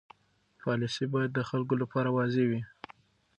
پالیسي باید د خلکو لپاره واضح وي.